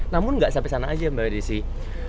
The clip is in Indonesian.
namun nggak sampai sana aja mbak adi sih